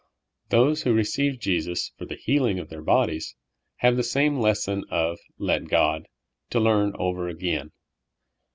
Those who receive Jesus for the healing of their bodies have the same lesson of '' let God '' to learn over again.